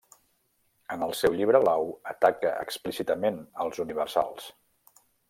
En el seu Llibre Blau ataca explícitament els universals.